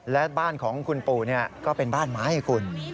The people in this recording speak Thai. และบ้านของคุณปู่ก็เป็นบ้านไม้คุณ